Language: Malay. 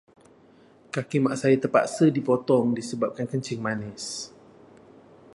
Kaki Mak saya terpaksa dipotong disebabkan kencing manis.